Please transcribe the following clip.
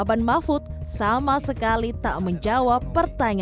bisa melakukannya lebih baik dan lebih keras ya